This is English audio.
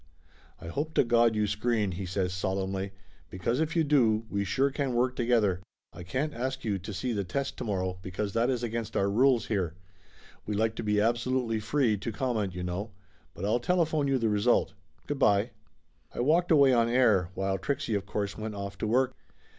"I hope to God you screen !" he says solemnly. "Be cause if you do we sure can work together. I can't ask you to see the test tomorrow, because that is against our rules here. We like to be absolutely free to com ment, you know. But I'll telephone you the result. Good by!" I walked away on air, while Trixie of course went off to work.